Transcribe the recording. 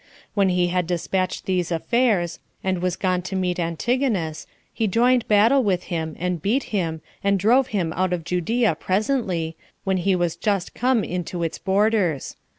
When he had despatched these affairs, and was gone to meet Antigonus, he joined battle with him, and beat him, and drove him out of Judea presently, when he was just come into its borders.